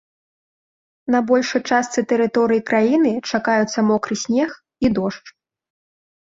На большай частцы тэрыторыі краіны чакаюцца мокры снег і дождж.